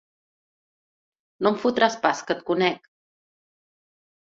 No em fotràs pas, que et conec!